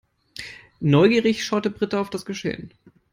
Neugierig schaute Britta auf das Geschehen.